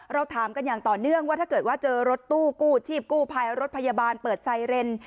เราถามกันอย่างต่อเนื่องว่าถ้าเกิดว่าเจอรถตู้กู้ชีพกู้ภัยรถพยาบาลเปิดไซเรน